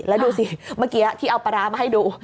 แล้วดูสิเมื่อกี้ที่เอาปลาร้ามาให้ดู